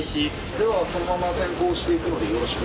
ではそのまま潜航していくのでよろしく。